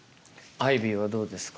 アイビーはどうですか？